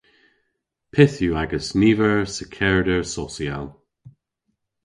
Pyth yw agas niver sekerder socyal?